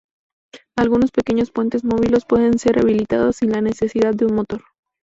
Algunos pequeños puentes móviles pueden ser habilitados sin la necesidad de un motor.